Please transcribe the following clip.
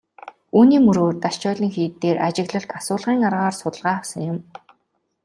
Үүний мөрөөр Дашчойлин хийд дээр ажиглалт асуулгын аргаар судалгаа авсан юм.